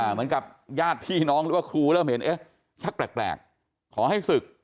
เหมือนกับญาติพี่น้องหรือว่าครูเริ่มเห็นเอ๊ะชักแปลกขอให้ศึก